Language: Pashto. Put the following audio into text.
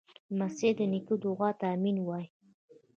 لمسی د نیکه دعا ته “امین” وایي.